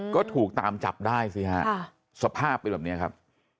ก็ถูกตามจับได้สิฮะสภาพเป็นแบบนี้ครับ